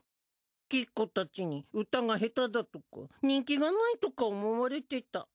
きっこたちに歌がヘタだとか人気がないとか思われてた。